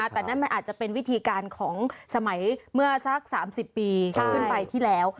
แต่นั่นมันอาจจะเป็นวิธีการของสมัยเมื่อสัก๓๐ปีขึ้นไปที่แล้ว